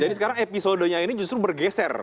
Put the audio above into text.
jadi sekarang episodenya ini justru bergeser